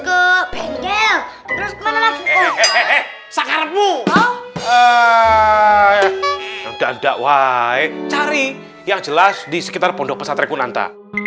eh udah udah woi cari yang jelas di sekitar pondok pesat rekunanta